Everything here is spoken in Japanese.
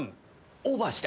オーバーして！